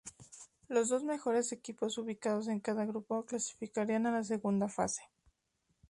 Los dos mejores equipos ubicados en cada grupo clasificarían a la segunda fase.